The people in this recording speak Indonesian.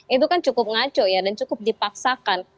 itu kan cukup ngaco ya dan cukup dipaksakan